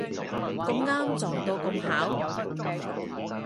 咁啱撞到咁巧